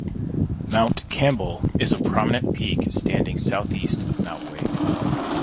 Mount Campbell is a prominent peak standing southeast of Mount Wade.